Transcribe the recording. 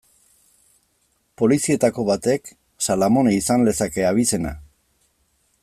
Polizietako batek Salamone izan lezake abizena.